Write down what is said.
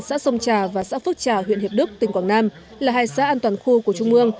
xã sông trà và xã phước trà huyện hiệp đức tỉnh quảng nam là hai xã an toàn khu của trung mương